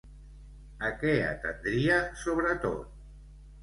A què atendria sobretot?